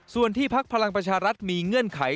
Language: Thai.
ส่วนที่พักพลังประชารัฐมีเงื่อนไข